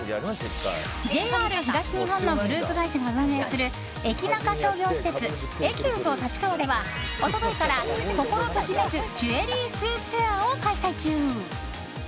ＪＲ東日本のグループ会社が運営する、エキナカ商業施設エキュート立川では一昨日からココロときめくジュエリースイーツフェアを開催中。